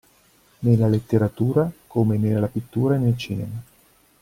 Nella letteratura come nella pittura e nel cinema.